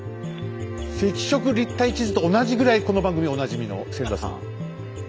赤色立体地図と同じぐらいこの番組おなじみの千田さん。